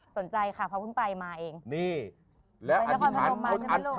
สนใจค่ะเพราะเพิ่งไปมาเอง